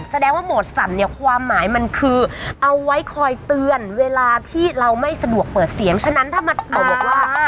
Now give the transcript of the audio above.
แสดงว่าโหมดสั่นเนี่ยความหมายมันคือเอาไว้คอยเตือนเวลาที่เราไม่สะดวกเปิดเสียงฉะนั้นถ้ามาบอกว่า